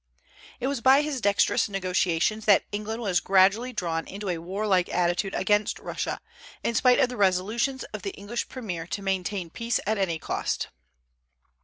It was by his dexterous negotiations that England was gradually drawn into a warlike attitude against Russia, in spite of the resolutions of the English premier to maintain peace at any cost.